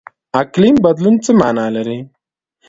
اقلیم بدلون څه مانا لري؟